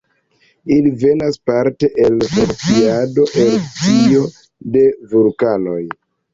Ili venas parte el funkciado, erupcio de vulkanoj.